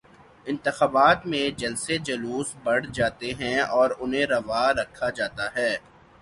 انتخابات میں جلسے جلوس بڑھ جاتے ہیں اور انہیں روا رکھا جاتا ہے۔